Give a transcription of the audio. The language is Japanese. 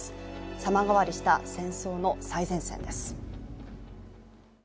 様変わりした戦争の最前線です。